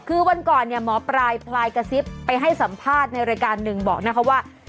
คือวันก่อนเนี่ยหมอปลายพลายกระซิบไปให้สัมภาษณ์ในรายการหนึ่งบอกนะคะว่า